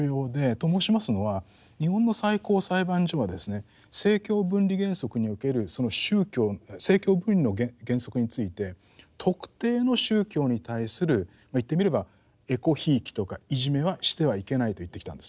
と申しますのは日本の最高裁判所は政教分離原則におけるその宗教政教分離の原則について特定の宗教に対する言ってみればえこひいきとかいじめはしてはいけないと言ってきたんですね。